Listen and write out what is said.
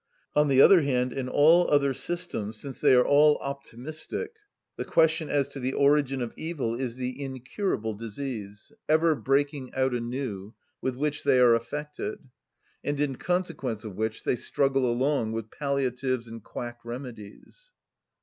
On the other hand, in all other systems, since they are all optimistic, the question as to the origin of evil is the incurable disease, ever breaking out anew, with which they are affected, and in consequence of which they struggle along with palliatives and quack remedies.